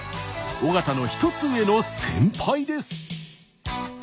尾形の一つ上の先輩です。